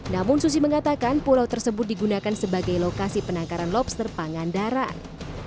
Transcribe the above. namun susi mengatakan pulau tersebut digunakan sebagai lokasi penangkaran lobster pangandaran